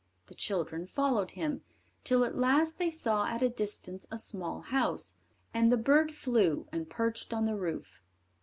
The children followed him, till at last they saw at a distance a small house; and the bird flew and perched on the roof.